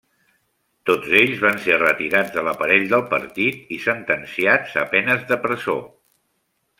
Tots ells van ser retirats de l'aparell del Partit i sentenciats a penses de presó.